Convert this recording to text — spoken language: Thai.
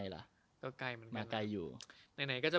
๖๖แล้วเหรอโอ้โห